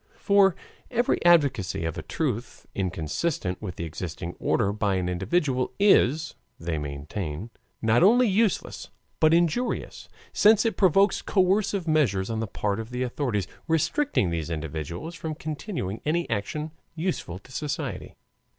For every advocacy of a truth inconsistent with the existing order by an individual is, they maintain, not only useless but injurious, since in provokes coercive measures on the part of the authorities, restricting these individuals from continuing any action useful to society.